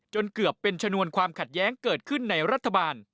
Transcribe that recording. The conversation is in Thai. เกือบเป็นชนวนความขัดแย้งเกิดขึ้นในรัฐบาล